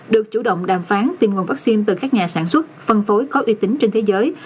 được chủ động đàm phán tìm nguồn vaccine từ các nhà sản xuất phân phối có uy tín trên thế giới